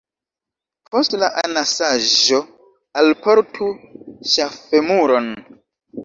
Post la anasaĵo alportu ŝaffemuron.